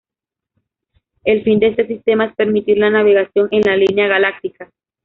El fin de este sistema es permitir la navegación en la Línea Galáctica.